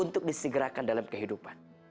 untuk disegerakan dalam kehidupan